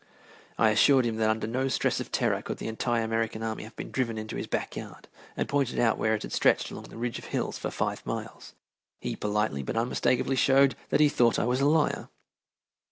I assured him that under no stress of terror could the entire American army have been driven into his back yard, and pointed out where it had stretched along the ridge of hills for five miles. He politely but unmistakably showed that he thought I was a liar.